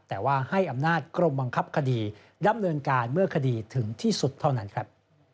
แต่ว่าให้อำนาจกรมบังคับคดีดำเนินการเมื่อคดีถึงที่สุดเท่านั้นครับ